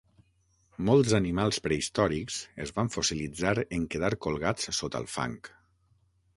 Molts animals prehistòrics es van fossilitzar en quedar colgats sota el fang.